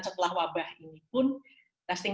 setelah wabah ini pun testing